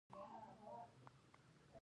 څکه نه شي کولی.